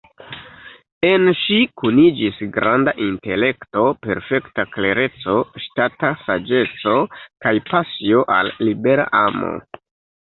En ŝi kuniĝis granda intelekto, perfekta klereco, ŝtata saĝeco kaj pasio al "libera amo".